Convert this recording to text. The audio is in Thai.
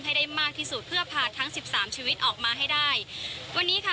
ให้ได้มากที่สุดเพื่อพาทั้งสิบสามชีวิตออกมาให้ได้วันนี้ค่ะ